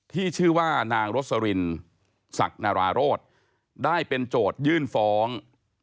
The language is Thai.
ที่ชื่อว่านางรสรินศักดิ์นาราโรธได้เป็นโจทยื่นฟ้อง